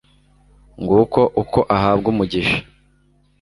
nguko uko ahabwa umugisha